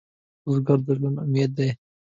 بزګر د ژوند امید دی